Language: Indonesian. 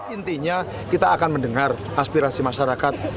intinya kita akan mendengar aspirasi masyarakat